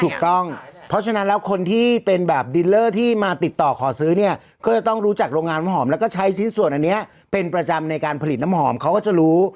ถูกต้องเพราะฉะนั้นแล้วคนที่เป็นแบบดินเลอร์ที่มาติดต่อขอซื้อเนี่ยก็จะต้องรู้จักโรงงานน้ำหอมแล้วก็ใช้ชิ้นส่วนอันนี้เป็นประจำในการผลิตน้ำหอมเขาก็จะรู้